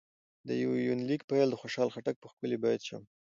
د دې يونليک پيل د خوشحال خټک په ښکلي بېت شوې